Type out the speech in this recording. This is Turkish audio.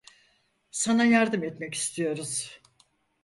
Sana yardım etmek istiyoruz.